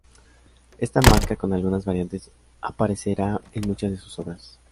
Esta marca, con algunas variantes, aparecerá en muchas de sus obras.